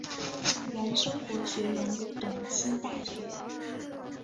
原生活学园短期大学。